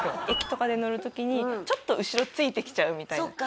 駅とかで乗る時にちょっと後ろついてきちゃうみたいな。